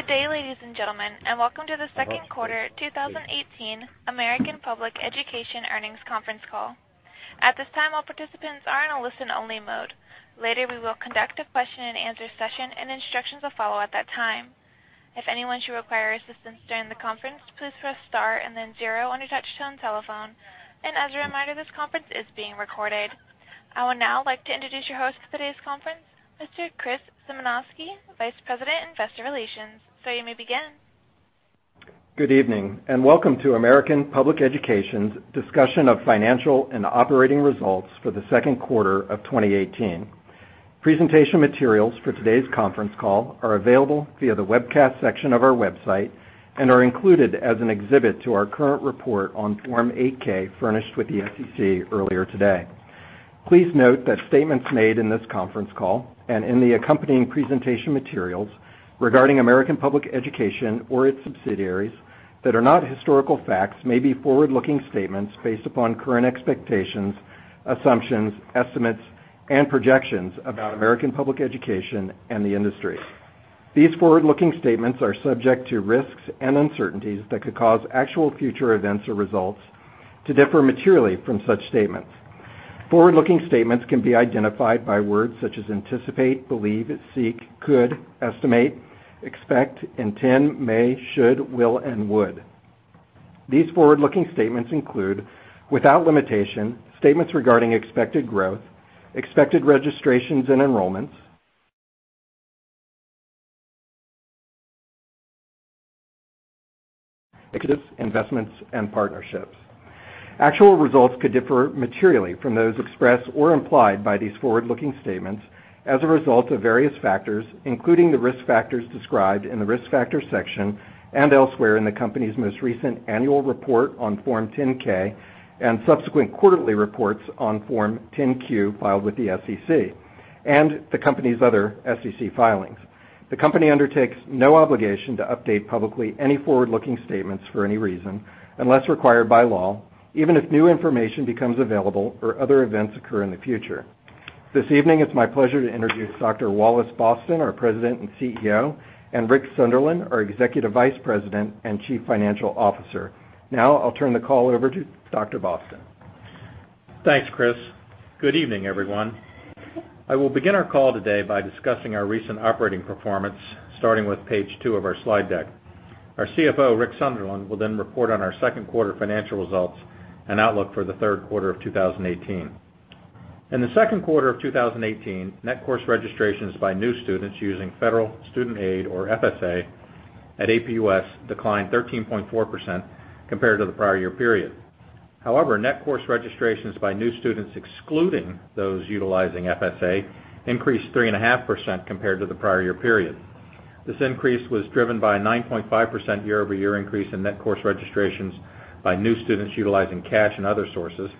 Good day, ladies and gentlemen, welcome to the second quarter 2018 American Public Education Earnings Conference Call. At this time, all participants are in a listen-only mode. Later, we will conduct a question and answer session, and instructions will follow at that time. If anyone should require assistance during the conference, please press star and then zero on your touch-tone telephone. As a reminder, this conference is being recorded. I would now like to introduce your host for today's conference, Mr. Chris Symanoskie, Vice President, Investor Relations. Sir, you may begin. Good evening, welcome to American Public Education's discussion of financial and operating results for the second quarter of 2018. Presentation materials for today's conference call are available via the webcast section of our website and are included as an exhibit to our current report on Form 8-K furnished with the SEC earlier today. Please note that statements made in this conference call and in the accompanying presentation materials regarding American Public Education or its subsidiaries that are not historical facts may be forward-looking statements based upon current expectations, assumptions, estimates, and projections about American Public Education and the industry. These forward-looking statements are subject to risks and uncertainties that could cause actual future events or results to differ materially from such statements. Forward-looking statements can be identified by words such as "anticipate," "believe," "seek," "could," "estimate," "expect," "intend," "may," "should," "will," and "would." These forward-looking statements include, without limitation, statements regarding expected growth, expected registrations and enrollments, investments, and partnerships. Actual results could differ materially from those expressed or implied by these forward-looking statements as a result of various factors, including the risk factors described in the Risk Factors section and elsewhere in the company's most recent annual report on Form 10-K and subsequent quarterly reports on Form 10-Q filed with the SEC, and the company's other SEC filings. The company undertakes no obligation to update publicly any forward-looking statements for any reason, unless required by law, even if new information becomes available or other events occur in the future. This evening, it's my pleasure to introduce Dr. Wallace Boston, our President and CEO, Rick Sunderland, our Executive Vice President and Chief Financial Officer. I'll turn the call over to Dr. Boston. Thanks, Chris. Good evening, everyone. I will begin our call today by discussing our recent operating performance, starting with page two of our slide deck. Our CFO, Rick Sunderland, will report on our second quarter financial results and outlook for the third quarter of 2018. In the second quarter of 2018, net course registrations by new students using Federal Student Aid, or FSA, at APUS declined 13.4% compared to the prior year period. However, net course registrations by new students, excluding those utilizing FSA, increased 3.5% compared to the prior year period. This increase was driven by a 9.5% year-over-year increase in net course registrations by new students utilizing cash and other sources,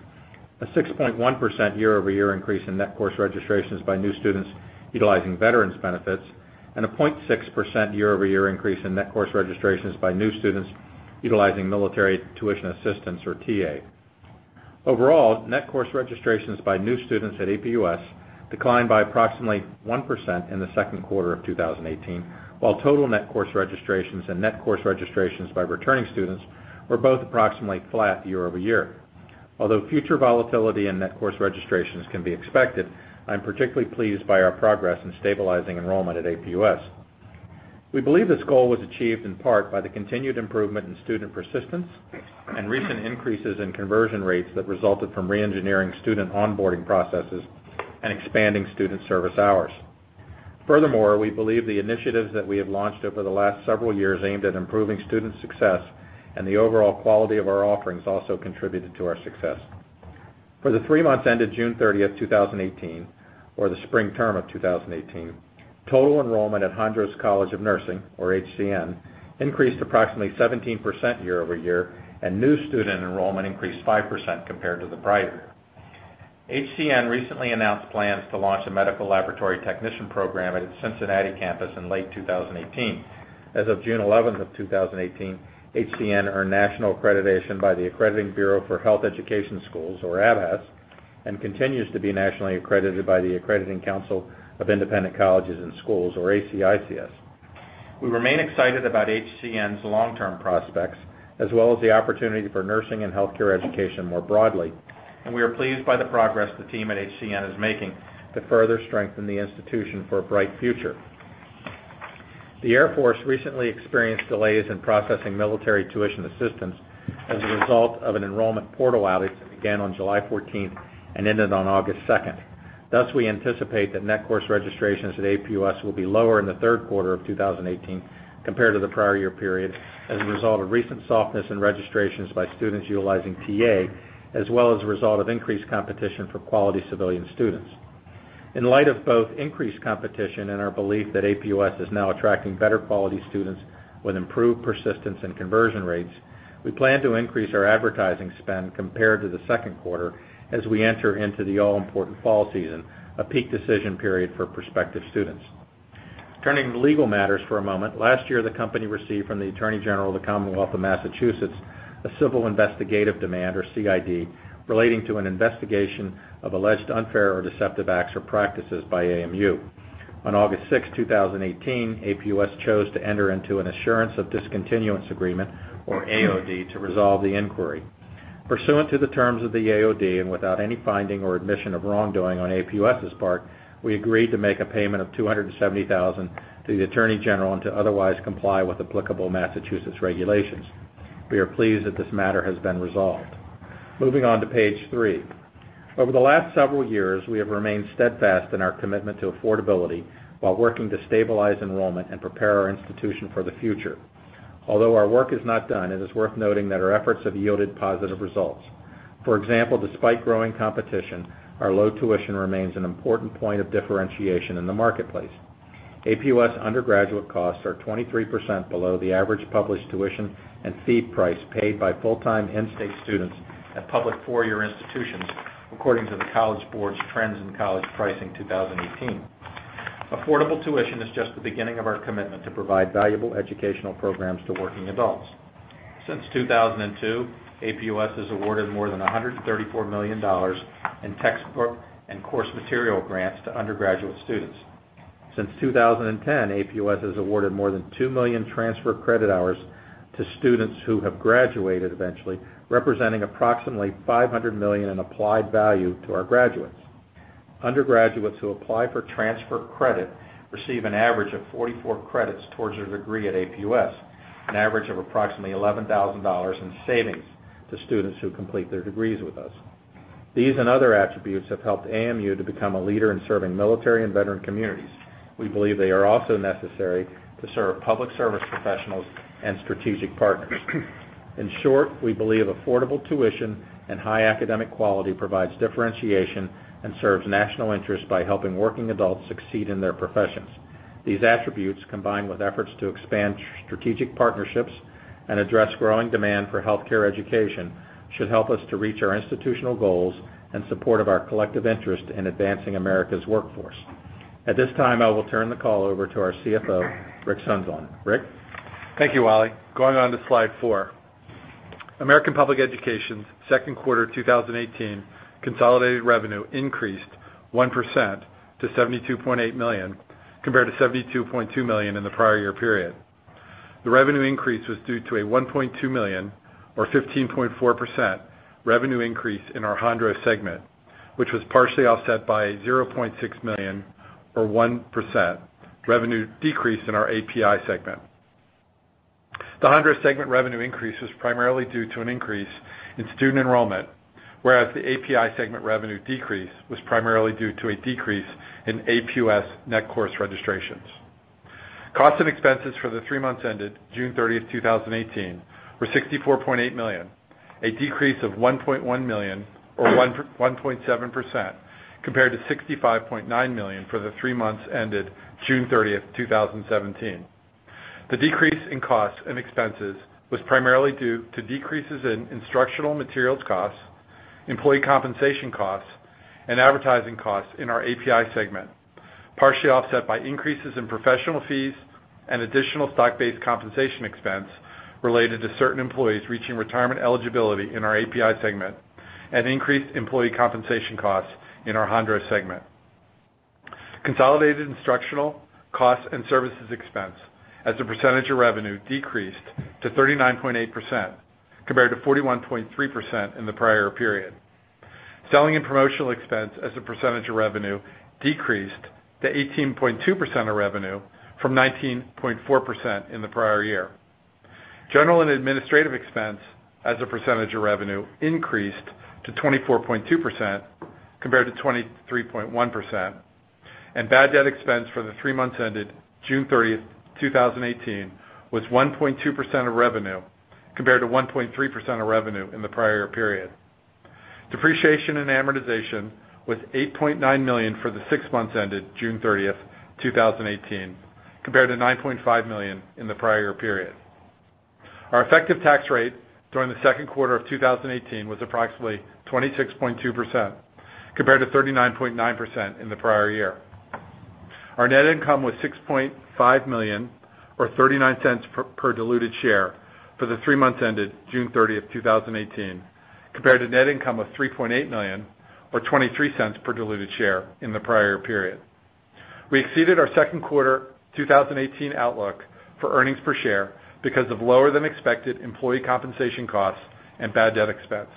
a 6.1% year-over-year increase in net course registrations by new students utilizing veterans benefits, and a 0.6% year-over-year increase in net course registrations by new students utilizing Military Tuition Assistance, or TA. Overall, net course registrations by new students at APUS declined by approximately 1% in the second quarter of 2018, while total net course registrations and net course registrations by returning students were both approximately flat year-over-year. Although future volatility in net course registrations can be expected, I'm particularly pleased by our progress in stabilizing enrollment at APUS. We believe this goal was achieved in part by the continued improvement in student persistence and recent increases in conversion rates that resulted from re-engineering student onboarding processes and expanding student service hours. We believe the initiatives that we have launched over the last several years aimed at improving student success and the overall quality of our offerings also contributed to our success. For the three months ended June 30, 2018, or the spring term of 2018, total enrollment at Hondros College of Nursing, or HCN, increased approximately 17% year-over-year, and new student enrollment increased 5% compared to the prior year. HCN recently announced plans to launch a medical laboratory technician program at its Cincinnati campus in late 2018. As of June 11th of 2018, HCN earned national accreditation by the Accrediting Bureau of Health Education Schools, or ABHES, and continues to be nationally accredited by the Accrediting Council for Independent Colleges and Schools, or ACICS. We remain excited about HCN's long-term prospects, as well as the opportunity for nursing and healthcare education more broadly, and we are pleased by the progress the team at HCN is making to further strengthen the institution for a bright future. The Air Force recently experienced delays in processing Military Tuition Assistance as a result of an enrollment portal outage that began on July 14th and ended on August 2nd. We anticipate that net course registrations at APUS will be lower in the third quarter of 2018 compared to the prior year period as a result of recent softness in registrations by students utilizing TA, as well as a result of increased competition for quality civilian students. In light of both increased competition and our belief that APUS is now attracting better quality students with improved persistence and conversion rates, we plan to increase our advertising spend compared to the second quarter as we enter into the all-important fall season, a peak decision period for prospective students. Turning to legal matters for a moment, last year the company received from the Attorney General of the Commonwealth of Massachusetts a civil investigative demand, or CID, relating to an investigation of alleged unfair or deceptive acts or practices by AMU. On August 6, 2018, APUS chose to enter into an assurance of discontinuance agreement, or AOD, to resolve the inquiry. Pursuant to the terms of the AOD, and without any finding or admission of wrongdoing on APUS's part, we agreed to make a payment of $270,000 to the attorney general and to otherwise comply with applicable Massachusetts regulations. We are pleased that this matter has been resolved. Moving on to page three. Over the last several years, we have remained steadfast in our commitment to affordability while working to stabilize enrollment and prepare our institution for the future. Our work is not done, it is worth noting that our efforts have yielded positive results. For example, despite growing competition, our low tuition remains an important point of differentiation in the marketplace. APUS undergraduate costs are 23% below the average published tuition and fee price paid by full-time in-state students at public four-year institutions, according to the College Board's Trends in College Pricing 2018. Affordable tuition is just the beginning of our commitment to provide valuable educational programs to working adults. Since 2002, APUS has awarded more than $134 million in textbook and course material grants to undergraduate students. Since 2010, APUS has awarded more than 2 million transfer credit hours to students who have graduated eventually, representing approximately $500 million in applied value to our graduates. Undergraduates who apply for transfer credit receive an average of 44 credits towards their degree at APUS, an average of approximately $11,000 in savings to students who complete their degrees with us. These and other attributes have helped AMU to become a leader in serving military and veteran communities. We believe they are also necessary to serve public service professionals and strategic partners. In short, we believe affordable tuition and high academic quality provides differentiation and serves national interest by helping working adults succeed in their professions. These attributes, combined with efforts to expand strategic partnerships and address growing demand for healthcare education, should help us to reach our institutional goals in support of our collective interest in advancing America's workforce. At this time, I will turn the call over to our CFO, Rick Sunderland. Rick? Thank you, Wally. Going on to slide four. American Public Education's second quarter 2018 consolidated revenue increased 1% to $72.8 million, compared to $72.2 million in the prior year period. The revenue increase was due to a $1.2 million, or 15.4% revenue increase in our Hondros segment, which was partially offset by $0.6 million, or 1% revenue decrease in our APEI segment. The Hondros segment revenue increase was primarily due to an increase in student enrollment, whereas the APEI segment revenue decrease was primarily due to a decrease in APUS net course registrations. Costs and expenses for the three months ended June 30, 2018, were $64.8 million, a decrease of $1.1 million or 1.7%, compared to $65.9 million for the three months ended June 30, 2017. The decrease in costs and expenses was primarily due to decreases in instructional materials costs, employee compensation costs, and advertising costs in our APEI segment, partially offset by increases in professional fees and additional stock-based compensation expense related to certain employees reaching retirement eligibility in our APEI segment, and increased employee compensation costs in our Hondros segment. Consolidated instructional costs and services expense as a percentage of revenue decreased to 39.8%, compared to 41.3% in the prior period. Selling and promotional expense as a percentage of revenue decreased to 18.2% of revenue from 19.4% in the prior year. General and administrative expense as a percentage of revenue increased to 24.2%, compared to 23.1%. Bad debt expense for the three months ended June 30, 2018, was 1.2% of revenue, compared to 1.3% of revenue in the prior period. Depreciation and amortization was $8.9 million for the six months ended June 30, 2018, compared to $9.5 million in the prior period. Our effective tax rate during the second quarter of 2018 was approximately 26.2%, compared to 39.9% in the prior year. Our net income was $6.5 million, or $0.39 per diluted share for the three months ended June 30, 2018, compared to net income of $3.8 million or $0.23 per diluted share in the prior period. We exceeded our second quarter 2018 outlook for earnings per share because of lower than expected employee compensation costs and bad debt expense.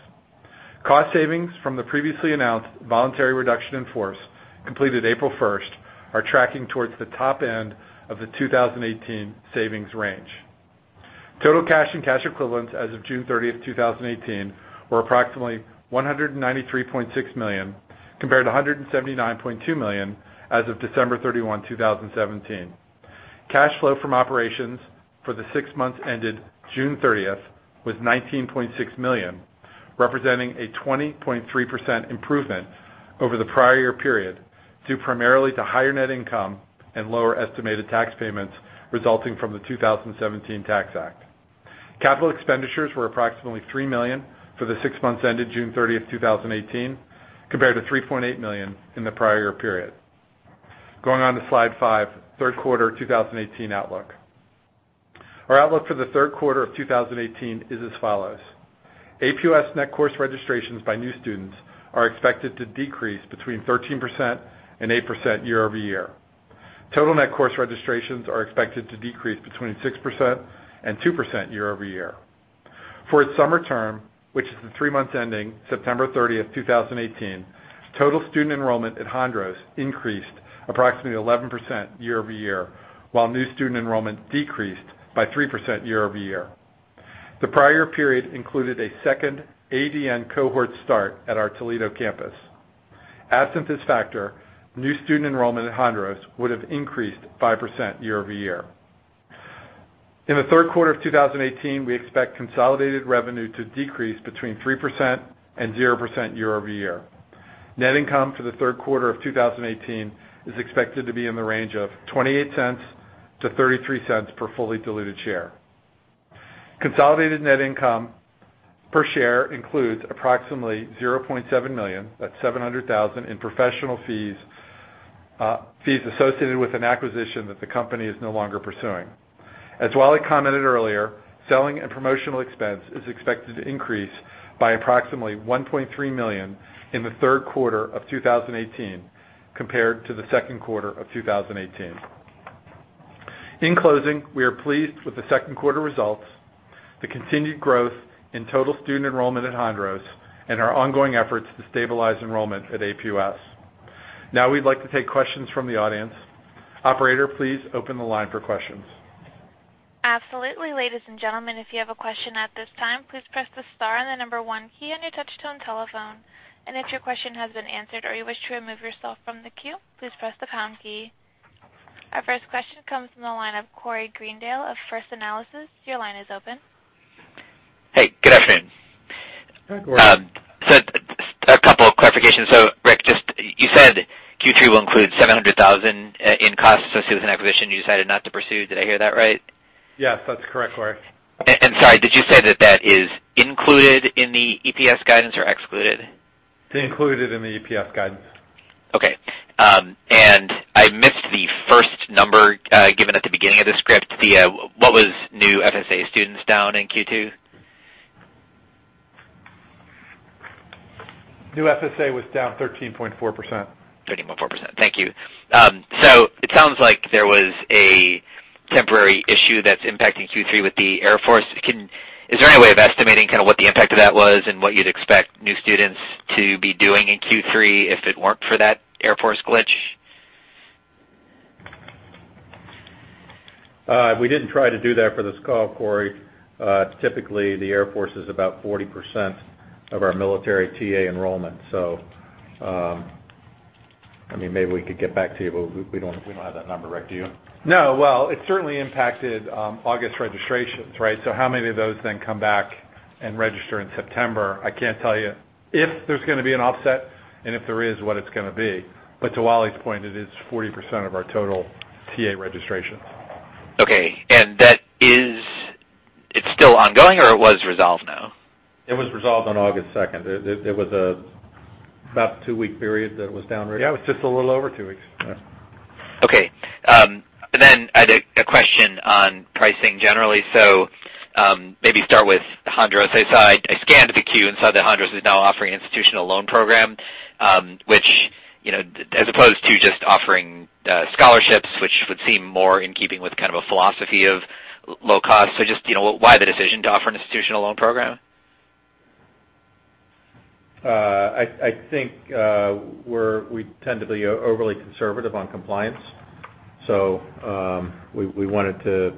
Cost savings from the previously announced voluntary reduction in force completed April 1st are tracking towards the top end of the 2018 savings range. Total cash and cash equivalents as of June 30, 2018, were approximately $193.6 million, compared to $179.2 million as of December 31, 2017. Cash flow from operations for the six months ended June 30 was $19.6 million, representing a 20.3% improvement over the prior year period due primarily to higher net income and lower estimated tax payments resulting from the 2017 Tax Act. Capital expenditures were approximately $3 million for the six months ended June 30, 2018, compared to $3.8 million in the prior year period. Going on to slide five. Third quarter 2018 outlook. Our outlook for the third quarter of 2018 is as follows. APUS net course registrations by new students are expected to decrease between 13% and 8% year-over-year. Total net course registrations are expected to decrease between 6% and 2% year-over-year. For its summer term, which is the three months ending September 30, 2018, total student enrollment at Hondros increased approximately 11% year-over-year, while new student enrollment decreased by 3% year-over-year. The prior period included a second ADN cohort start at our Toledo campus. Absent this factor, new student enrollment at Hondros would have increased 5% year-over-year. In the third quarter of 2018, we expect consolidated revenue to decrease between 3% and 0% year-over-year. Net income for the third quarter of 2018 is expected to be in the range of $0.28 to $0.33 per fully diluted share. Consolidated net income per share includes approximately $0.7 million, that's $700,000, in professional fees associated with an acquisition that the company is no longer pursuing. As Wally commented earlier, selling and promotional expense is expected to increase by approximately $1.3 million in the third quarter of 2018 compared to the second quarter of 2018. In closing, we are pleased with the second quarter results, the continued growth in total student enrollment at Hondros, and our ongoing efforts to stabilize enrollment at APUS. Now we'd like to take questions from the audience. Operator, please open the line for questions. Absolutely. Ladies and gentlemen, if you have a question at this time, please press the star and the number 1 key on your touch-tone telephone. If your question has been answered or you wish to remove yourself from the queue, please press the pound key. Our first question comes from the line of Corey Greendale of First Analysis. Your line is open. Hey, good afternoon. Hi, Corey. A couple of clarifications. Rick, you said Q3 will include $700,000 in costs associated with an acquisition you decided not to pursue. Did I hear that right? Yes, that's correct, Corey. Sorry, did you say that that is included in the EPS guidance or excluded? Included in the EPS guidance. I missed the first number given at the beginning of the script. What was new FSA students down in Q2? New FSA was down 13.4%. 13.4%. Thank you. It sounds like there was a temporary issue that's impacting Q3 with the Air Force. Is there any way of estimating what the impact of that was and what you'd expect new students to be doing in Q3 if it weren't for that Air Force glitch? We didn't try to do that for this call, Corey. Typically, the Air Force is about 40% of our military TA enrollment. Maybe we could get back to you, but we don't have that number, Rick, do you? No. Well, it certainly impacted August registrations, right? How many of those then come back and register in September? I can't tell you if there's going to be an offset and if there is, what it's going to be. To Wally's point, it is 40% of our total TA registrations. Okay. It's still ongoing, or it was resolved now? It was resolved on August 2nd. It was about a two-week period that it was down, right? Yeah, it was just a little over two weeks. All right. Okay. I had a question on pricing generally. Maybe start with Hondros. I scanned the Form 10-Q and saw that Hondros is now offering institutional loan program, which as opposed to just offering scholarships, which would seem more in keeping with kind of a philosophy of low cost. Why the decision to offer an institutional loan program? I think we tend to be overly conservative on compliance. We wanted to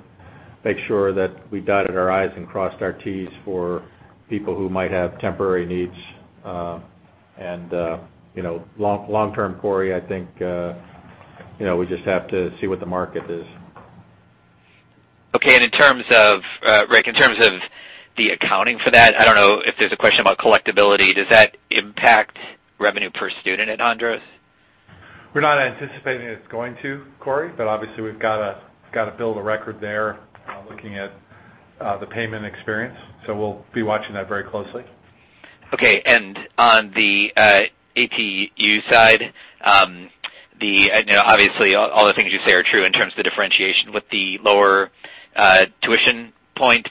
make sure that we dotted our I's and crossed our T's for people who might have temporary needs. Long-term, Corey, I think we just have to see what the market is. Okay. Rick, in terms of the accounting for that, I don't know if there's a question about collectability. Does that impact revenue per student at Hondros? We're not anticipating it's going to, Corey, obviously we've got to build a record there, looking at the payment experience. We'll be watching that very closely. Okay. On the APUS side, obviously all the things you say are true in terms of the differentiation with the lower tuition point,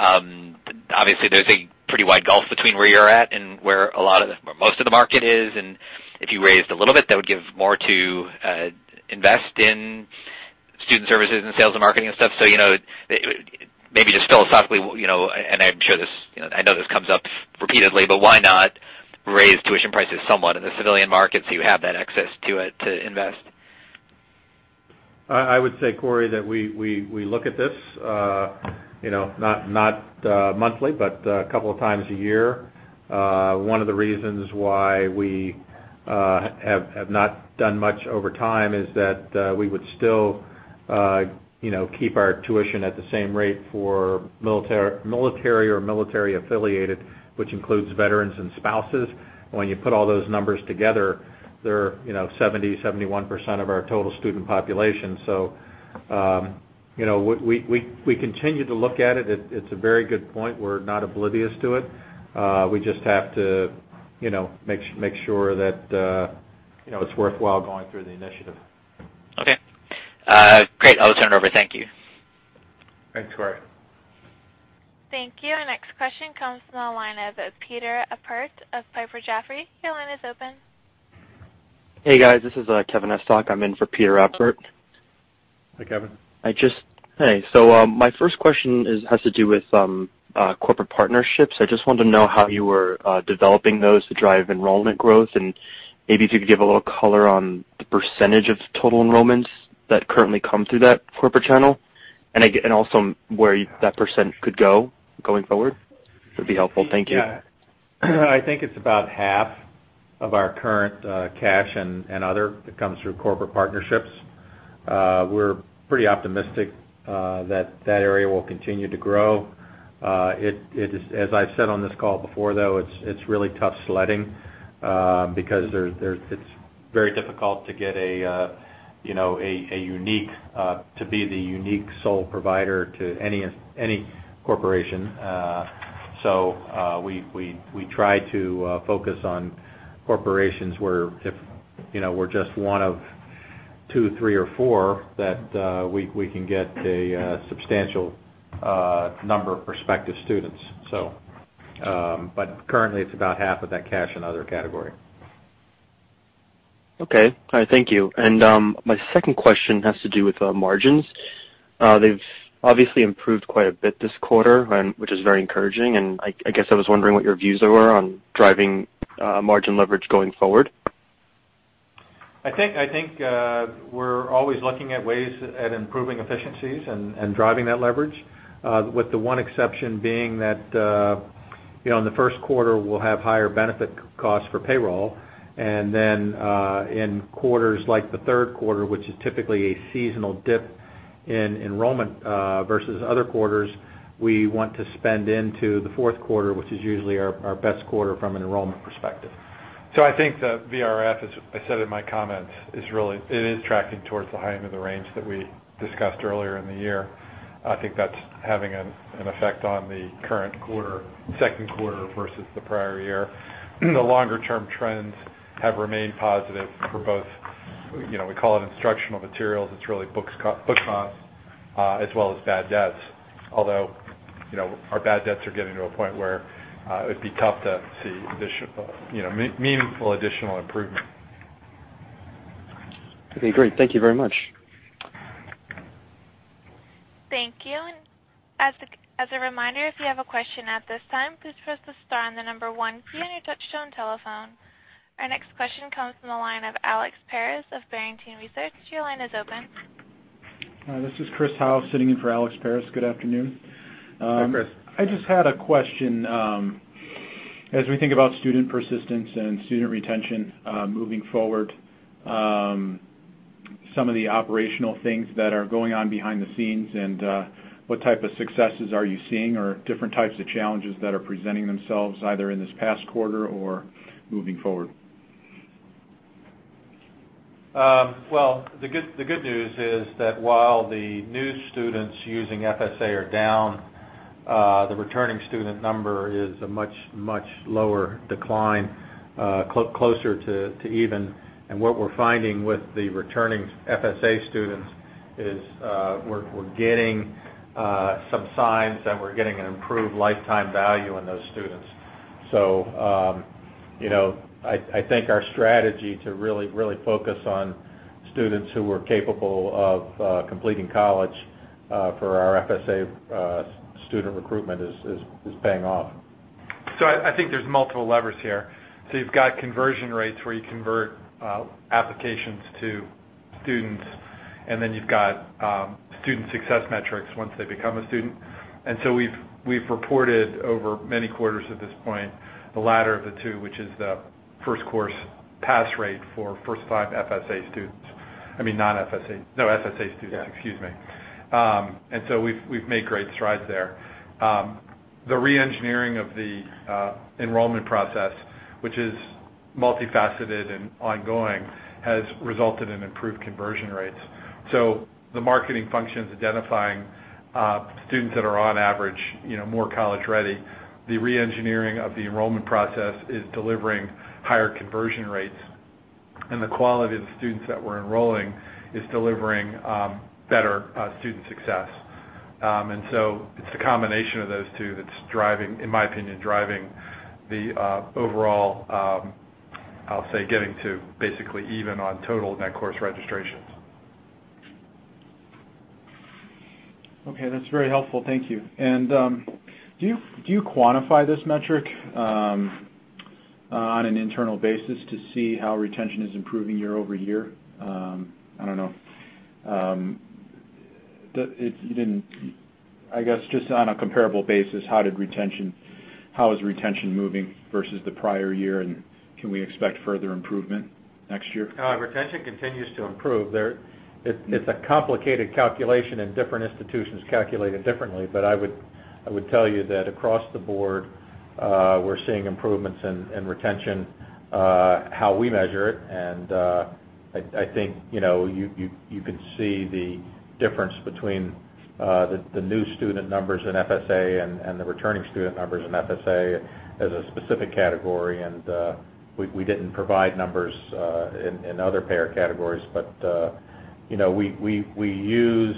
obviously there's a pretty wide gulf between where you're at and where most of the market is, if you raised a little bit, that would give more to invest in student services and sales and marketing and stuff. Maybe just philosophically, I know this comes up repeatedly, why not raise tuition prices somewhat in the civilian market so you have that access to it to invest? I would say, Corey, that we look at this not monthly, but a couple of times a year. One of the reasons why we have not done much over time is that we would still keep our tuition at the same rate for military or military-affiliated, which includes veterans and spouses. When you put all those numbers together, they're 70%, 71% of our total student population. We continue to look at it. It's a very good point. We're not oblivious to it. We just have to make sure that You know, it's worthwhile going through the initiative. Okay. Great. I'll turn it over. Thank you. Thanks, Corey. Thank you. Our next question comes from the line of Peter Appert of Piper Jaffray. Your line is open. Hey, guys. This is Kevin Estock. I'm in for Peter Appert. Hi, Kevin. Hi. My first question has to do with corporate partnerships. I just wanted to know how you were developing those to drive enrollment growth, and maybe if you could give a little color on the % of total enrollments that currently come through that corporate channel. Also where that % could go, going forward, would be helpful. Thank you. Yeah. I think it's about half of our current cash and other that comes through corporate partnerships. We're pretty optimistic that area will continue to grow. As I've said on this call before, though, it's really tough sledding, because it's very difficult to be the unique sole provider to any corporation. We try to focus on corporations where if we're just one of two, three, or four, that we can get a substantial number of prospective students. Currently, it's about half of that cash in other category. Okay. All right. Thank you. My second question has to do with margins. They've obviously improved quite a bit this quarter, which is very encouraging, and I guess I was wondering what your views were on driving margin leverage going forward. I think we're always looking at ways at improving efficiencies and driving that leverage, with the one exception being that in the first quarter, we'll have higher benefit costs for payroll. In quarters like the third quarter, which is typically a seasonal dip in enrollment versus other quarters, we want to spend into the fourth quarter, which is usually our best quarter from an enrollment perspective. I think the VRF, as I said in my comments, it is tracking towards the high end of the range that we discussed earlier in the year. I think that's having an effect on the current quarter, second quarter versus the prior year. The longer-term trends have remained positive for both, we call it instructional materials, it's really book costs, as well as bad debts. Although, our bad debts are getting to a point where it would be tough to see meaningful additional improvement. Okay, great. Thank you very much. Thank you. As a reminder, if you have a question at this time, please press the star and the number one key on your touch-tone telephone. Our next question comes from the line of Alex Paris of Barrington Research. Your line is open. Hi, this is Chris Howe sitting in for Alex Paris. Good afternoon. Hi, Chris. I just had a question. As we think about student persistence and student retention moving forward, some of the operational things that are going on behind the scenes and what type of successes are you seeing or different types of challenges that are presenting themselves either in this past quarter or moving forward? Well, the good news is that while the new students using FSA are down, the returning student number is a much, much lower decline, closer to even. What we're finding with the returning FSA students is we're getting some signs that we're getting an improved lifetime value in those students. I think our strategy to really, really focus on students who are capable of completing college for our FSA student recruitment is paying off. I think there's multiple levers here. You've got conversion rates where you convert applications to students, and then you've got student success metrics once they become a student. We've reported over many quarters at this point, the latter of the two, which is the first-course pass rate for first-time FSA students. I mean, non-FSA No, FSA students. Yeah excuse me. We've made great strides there. The re-engineering of the enrollment process, which is multifaceted and ongoing, has resulted in improved conversion rates. The marketing function is identifying students that are on average more college-ready. The re-engineering of the enrollment process is delivering higher conversion rates. The quality of the students that we're enrolling is delivering better student success. It's a combination of those two that's, in my opinion, driving the overall, I'll say, getting to basically even on total net course registrations. Okay, that's very helpful. Thank you. Do you quantify this metric on an internal basis to see how retention is improving year-over-year? I don't know. I guess just on a comparable basis, how is retention moving versus the prior year, and can we expect further improvement next year? Retention continues to improve. It's a complicated calculation, and different institutions calculate it differently. I would tell you that across the board, we're seeing improvements in retention, how we measure it. I think you can see the difference between the new student numbers in FSA and the returning student numbers in FSA as a specific category. We didn't provide numbers in other payer categories. We use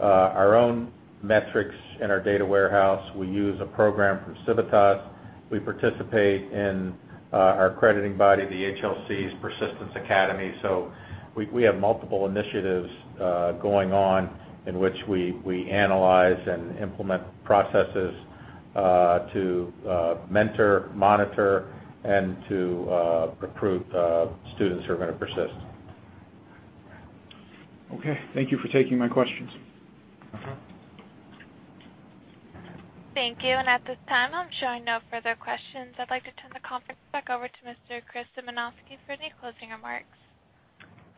our own metrics in our data warehouse. We use a program from Civitas. We participate in our accrediting body, the HLC's Persistence Academy. We have multiple initiatives going on in which we analyze and implement processes to mentor, monitor, and to recruit students who are going to persist. Okay. Thank you for taking my questions. Thank you. At this time, I'm showing no further questions. I'd like to turn the conference back over to Mr. Chris Symanoskie for any closing remarks.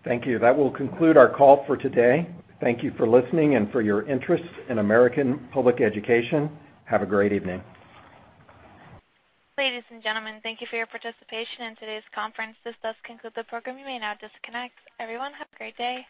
Thank you. That will conclude our call for today. Thank you for listening and for your interest in American Public Education. Have a great evening. Ladies and gentlemen, thank you for your participation in today's conference. This does conclude the program. You may now disconnect. Everyone, have a great day.